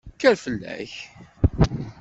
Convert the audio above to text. Kker fall-ak!